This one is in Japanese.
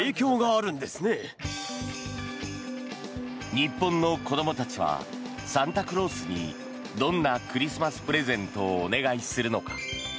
日本の子どもたちはサンタクロースにどんなクリスマスプレゼントをお願いするのか。